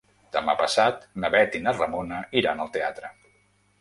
Demà passat na Bet i na Ramona iran al teatre.